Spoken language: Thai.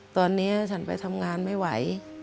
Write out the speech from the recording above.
ตอนนี้ฉันไปทำงานไม่ไหว